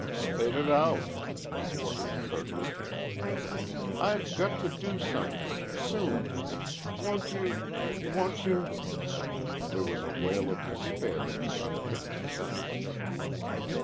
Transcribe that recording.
"Spit it out," he ordered curtly. "I've got to do something ... soon. Won't you won't you ?" There was a wail of despair in the unfinished sentence.